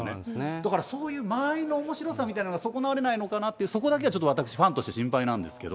だから、そういう間合いのおもしろさみたいなものが損なわれないのかなと、そこだけはちょっと私、ファンとして心配なんですけど。